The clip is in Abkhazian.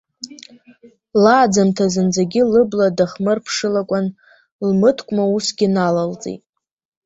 Лааӡамҭа зынӡагьы лыбла дыхмырԥшылакәан, лмыткәма усгьы налалҵеит.